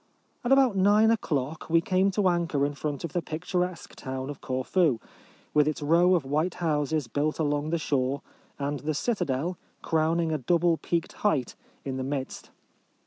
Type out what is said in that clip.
At about nine o'clock we came to anchor in front of the picturesque town of Corfu, with its row of white houses built along the shore, and the citadel, crowning a double peaked height, in the midst.